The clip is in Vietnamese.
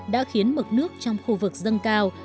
đã khiến mực nước trong khu vực dâng cao